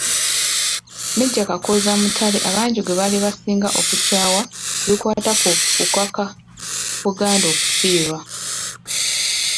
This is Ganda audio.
Meeja Kakooza Mutale abangi gwe baali basinga okukyawa ku bikwata ku kukaka Buganda okufiirwa